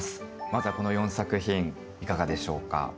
まずはこの４作品いかがでしょうか？